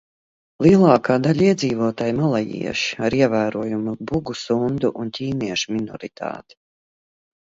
Lielākā daļa iedzīvotāju ir malajieši ar ievērojamu bugu, sundu un ķīniešu minoritāti.